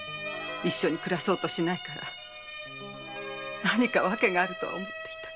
一緒に暮らそうとしないから何か訳があると思ってたけど。